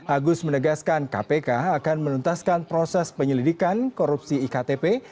agus menegaskan kpk akan menuntaskan proses penyelidikan korupsi iktp